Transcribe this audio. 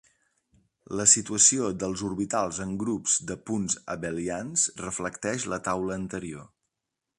La situació dels orbitals en grups de punts abelians reflecteix la taula anterior.